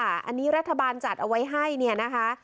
อันนี้รัฐบาลจัดเอาไว้ให้เนี่ยนะคะ